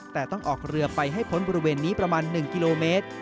แต่ต้องออกเรือไปให้พ้นบริเวณนี้ประมาณ๑กิโลเมตร